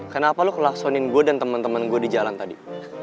kenapa lu klaksonin gue dan temen temen gue di jalan tadi